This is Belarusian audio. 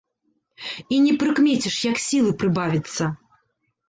І не прыкмеціш, як сілы прыбавіцца.